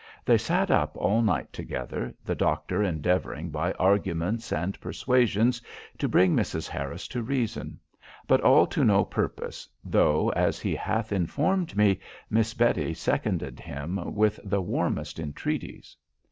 They sat up all night together, the doctor endeavouring, by arguments and persuasions, to bring Mrs. Harris to reason; but all to no purpose, though, as he hath informed me, Miss Betty seconded him with the warmest entreaties."